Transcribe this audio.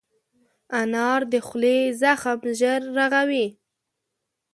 انار د خولې زخم ژر رغوي.